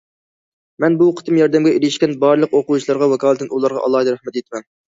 مەن بۇ قېتىم ياردەمگە ئېرىشكەن بارلىق ئوقۇغۇچىلارغا ۋاكالىتەن ئۇلارغا ئالاھىدە رەھمەت ئېيتىمەن.